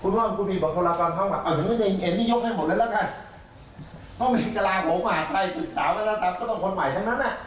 พ่อบังกลางพจน์มาใครสึกสาวกันละครับก็ต้องเป็นคนใหม่ทั้งนั้น